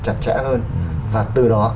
chặt chẽ hơn và từ đó